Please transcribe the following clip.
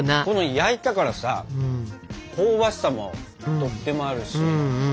この焼いたからさ香ばしさもとってもあるし。